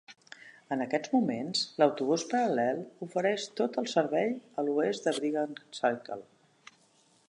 En aquests moments, l'autobús paral·lel ofereix tot el servei a l'oest de Brigham Circle.